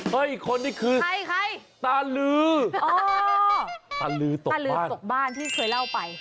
เฮ้ยอีกคนนี่คือตานลือตานลือสกบ้านที่เคยเล่าไป